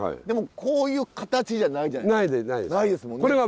でもこういう形じゃないじゃないですか。